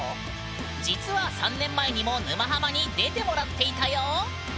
実は３年前にも「沼ハマ」に出てもらっていたよ。